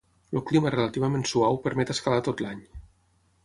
El clima relativament suau permet escalar tot l'any.